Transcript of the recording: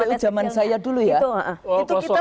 dulu waktu di kpu jaman saya dulu ya itu kita